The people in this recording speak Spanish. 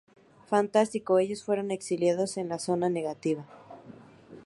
Fantástico, ellos fueron exiliados en la zona negativa.